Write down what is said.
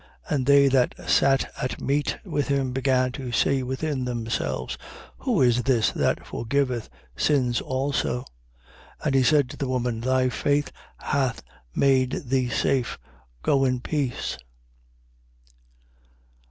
7:49. And they that sat at meat with him began to say within themselves: Who is this that forgiveth sins also? 7:50. And he said to the woman: Thy faith hath made thee safe. Go in peace.